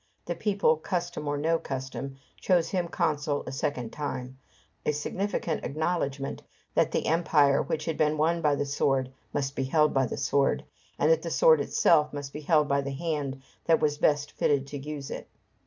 The people, custom or no custom, chose him consul a second time a significant acknowledgment that the Empire, which had been won by the sword, must be held by the sword, and that the sword itself must be held by the hand that was best fitted to use it.